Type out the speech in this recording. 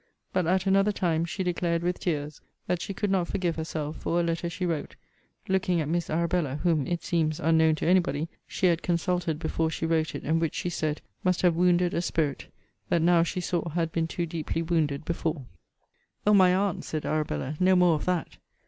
But, at another time, she declared, with tears, that she could not forgive herself for a letter she wrote,* looking at Miss Arabella, whom, it seems, unknown to any body, she had consulted before she wrote it and which, she said, must have wounded a spirit, that now she saw had been too deeply wounded before. * See Vol. III. Letter LII. O my Aunt, said Arabella, no more of that!